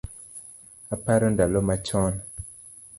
Aparo ndalo machon